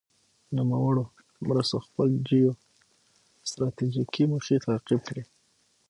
نوموړو مرستو خپل جیو ستراتیجیکې موخې تعقیب کړې.